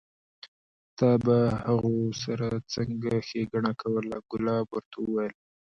تا به هغو سره څنګه ښېګڼه کوله؟ کلاب ورته وویل: